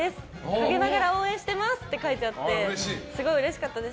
陰ながら応援してますって書いてあってすごいうれしかったです。